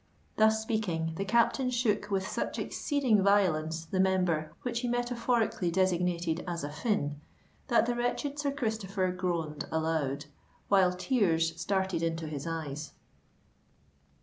Thus speaking, the captain shook with such exceeding violence the member which he metaphorically designated as a fin, that the wretched Sir Christopher groaned aloud, while tears started into his eyes.